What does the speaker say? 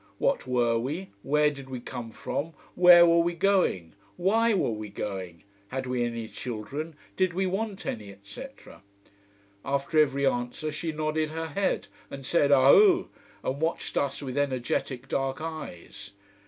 What were we, where did we come from, where were we going, why were we going, had we any children, did we want any, etc. After every answer she nodded her head and said Ahu! and watched us with energetic dark eyes.